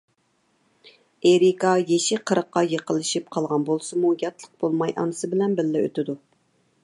ئېرىكا يېشى قىرىققا يېقىنلىشىپ قالغان بولسىمۇ، ياتلىق بولماي ئانىسى بىلەن بىللە ئۆتىدۇ.